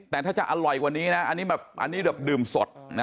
เตะถ้าจะอร่อยกว่านี้นะอันนี้แบบดื่มสด